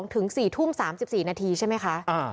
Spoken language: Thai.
ถึง๔ทุ่ม๓๔นาทีใช่ไหมคะ